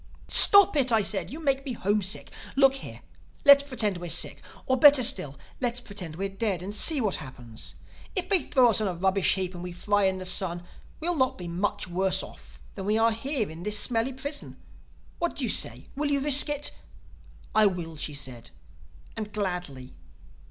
"'Stop it!' I said. 'You make me homesick. Look here: let's pretend we're sick—or better still, let's pretend we're dead; and see what happens. If they throw us on a rubbish heap and we fry in the sun, we'll not be much worse off than we are here in this smelly prison. What do you say? Will you risk it?' "'I will,' she said—'and gladly.